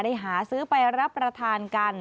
หาซื้อไปรับประทานกัน